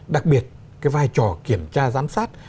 đặc biệt cái vai trò kiểm tra giám sát